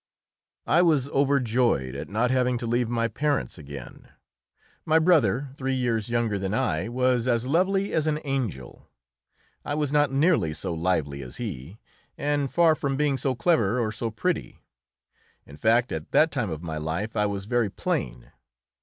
I was overjoyed at not having to leave my parents again. My brother, three years younger than I, was as lovely as an angel. I was not nearly so lively as he, and far from being so clever or so pretty. In fact, at that time of my life I was very plain.